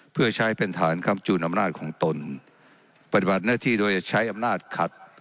เพื่อใช้เป็นฐานคำจูนอำนาจของตนปฏิบัติหน้าที่โดยใช้อำนาจขัด